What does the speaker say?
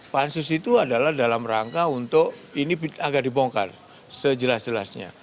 pansus itu adalah dalam rangka untuk ini agar dibongkar sejelas jelasnya